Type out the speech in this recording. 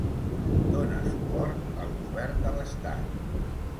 Dóna suport al govern de l'estat.